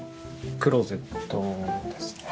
クローゼットですね。